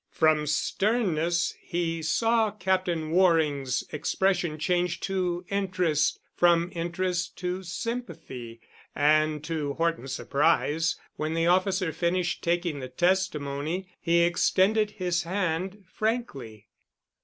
From sternness, he saw Captain Waring's expression change to interest, from interest to sympathy, and to Horton's surprise, when the officer finished taking the testimony, he extended his hand frankly.